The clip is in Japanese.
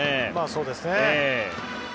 そうですね。